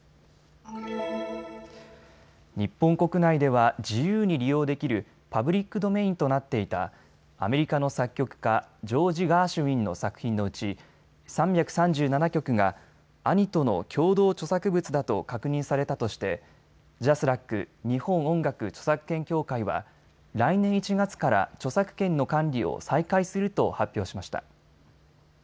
日本国内では自由に利用できるパブリックドメインとなっていたアメリカの作曲家、ジョージ・ガーシュウィンの作品のうち３３７曲が兄との共同著作物だと確認されたとしてＪＡＳＲＡＣ・日本音楽著作権協会は来年１月から著作権の管理を再開すると発表しました。